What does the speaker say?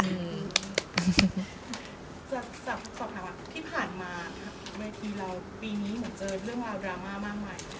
สอบถามอ่ะที่ผ่านมาวันนี้เหมือนเจอเรื่องราวดราม่ามากมาย